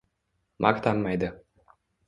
maqtanmaydi.